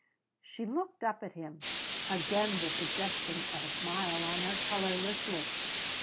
She looked up at him, again the suggestion of a smile on her colorless lips.